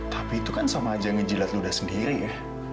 tapi itu kan sama aja ngejilat ludah sendiri ya